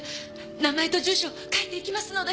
名前と住所書いていきますので。